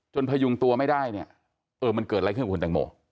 พยุงตัวไม่ได้เนี่ยเออมันเกิดอะไรขึ้นกับคุณแตงโม